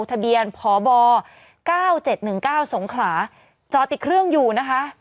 ทะเบียนพบ๙๗๑๙สงขลาจอติดเครื่องอยู่นะคะ